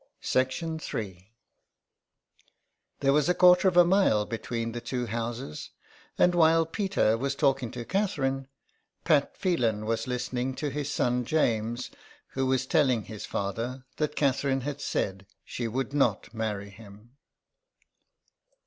III. There was a quarter of a mile between the two houses, and while Peter was talking to Catherine, Pat Phelan was listening to his son James, who was telling his father that Catherine had said she would not marry him.